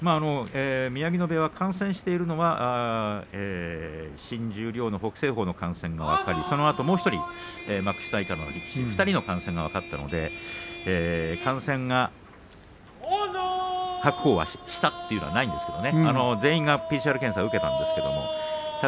宮城野部屋は感染しているのは新十両の北青鵬の感染が分かりそれと、もう１人幕下以下の力士２人の感染が分かったので感染を白鵬はしたというのはないんですよね。